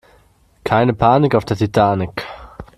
Keine Panik auf der Titanic!